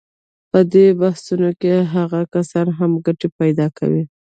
په دې بحثونو کې هغه کسان هم ګټې پیدا کوي.